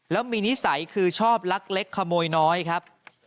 แล้วมีนิสัยคือชอบลักเล็กขโมยน้อยครับ